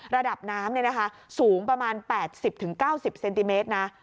ระดับน้ำสูงประมาณ๘๐๙๐เซนติเมตรนะ